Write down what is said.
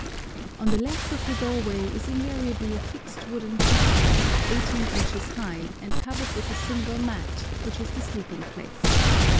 On the left of the doorway is invariably a fixed wooden platform, eighteen inches high, and covered with a single mat, which is the sleeping place.